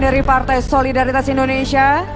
dari partai solidaritas indonesia